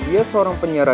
dan dia seorang penyerahnya